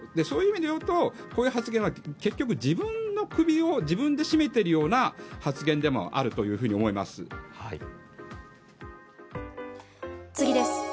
そういう意味で言うとこういう発言は結局、自分の首を自分で絞めているような発言でもあると思います。